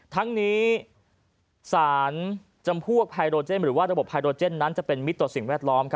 ทั้งนี้สารจำพวกไพโรเจนหรือว่าระบบไฮโรเจนนั้นจะเป็นมิตรต่อสิ่งแวดล้อม